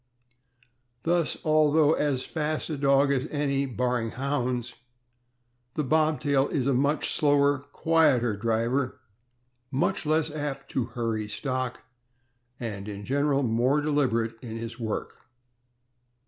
Thus, although as fast a dog as any, barring Hounds, the Bobtail is a much slower, quieter driver, much less apt to hurry stock, and in general more deliberate in his work.